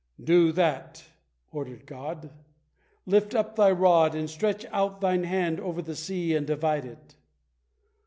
"Do thus!" ordered God. "Lift up thy rod, and stretch out thine hand over the sea and divide it."